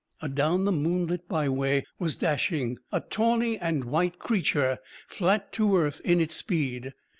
Adown the moonlit byway was dashing a tawny and white creature, flat to earth in its speed.